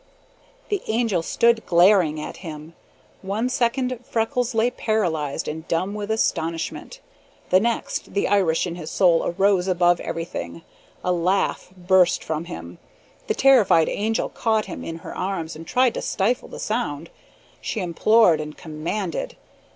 The Angel stood glaring at him. One second Freckles lay paralyzed and dumb with astonishment. The next the Irish in his soul arose above everything. A laugh burst from him. The terrified Angel caught him in her arms and tried to stifle the sound. She implored and commanded.